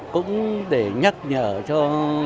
cũng để nhắc nhở cho